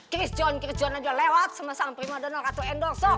christian christian aja lewat sama sang prima donor ratu endor sok